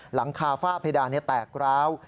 หลังคาฝ้าเพดานแตกร้าว